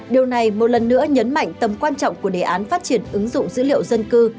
điều này một lần nữa nhấn mạnh tầm quan trọng của đề án phát triển ứng dụng dữ liệu dân cư